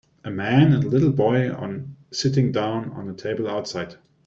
A man and a little boy on sitting down on a table outside.